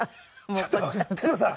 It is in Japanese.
ちょっと徹子さん。